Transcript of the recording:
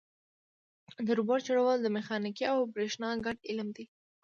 د روبوټ جوړول د میخانیک او برېښنا ګډ علم دی.